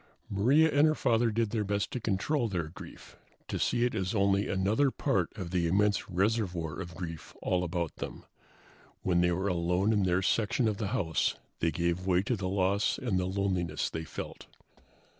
Maria and her father did their best to control their grief, to see it as only another part of the immense reservoir of grief all about them. When they were alone in their section of the house they gave way to the loss and the loneliness they felt.